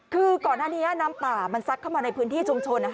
คือก่อนหน้านี้น้ำป่ามันซัดเข้ามาในพื้นที่ชุมชน